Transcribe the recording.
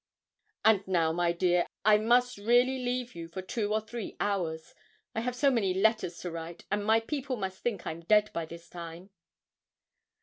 'And now, my dear, I must really leave you for two or three hours. I have ever so many letters to write, and my people must think I'm dead by this time.'